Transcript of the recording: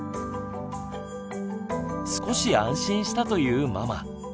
少し安心したというママ。